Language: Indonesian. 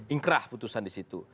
ingkrah putusan di situ